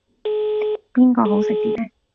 邊個好食啲呢